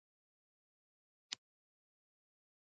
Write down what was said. د میرمنو کار او تعلیم مهم دی ځکه چې ودونو ته ځنډ ورکوي.